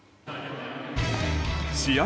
試合